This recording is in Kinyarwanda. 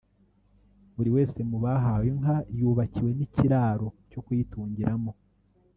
Buri wese mu bahawe inka yubakiwe n’ikiraro cyo kuyitungiramo